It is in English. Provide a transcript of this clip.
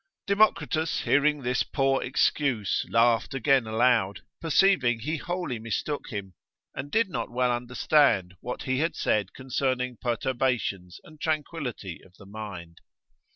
Democritus hearing this poor excuse, laughed again aloud, perceiving he wholly mistook him, and did not well understand what he had said concerning perturbations and tranquillity of the mind.